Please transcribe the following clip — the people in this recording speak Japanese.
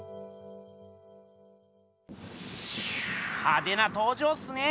派手な登場っすね！